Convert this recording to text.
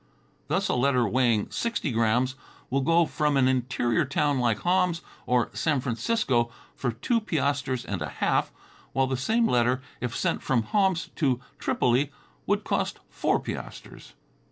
Thus a letter weighing sixty grams will go from an interior town like Homs to San Francisco for two piasters and a half, while the same letter, if sent from Homs to Tripoli, would cost four piasters.